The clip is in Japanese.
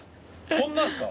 そんなですか？